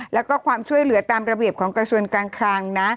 แล้วก็ความช่วยเหลือตามระเบียบของกระทรวงการคลังนะ